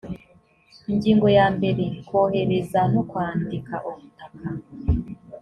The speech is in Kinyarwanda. ingingo yambere kohereza no kwandika ubutaka